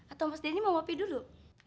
atau mas denny mau ngopi dulu